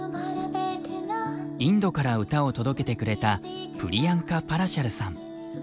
インドから歌を届けてくれたプリヤンカ・パラシャルさん。